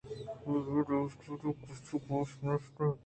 کہ آئیءَ دیمپانیءَکس گوں نیست اَت